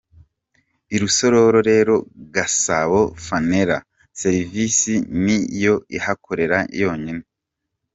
I Rusororo rero Gasabo Funeral services ni yo ihakorera yonyine.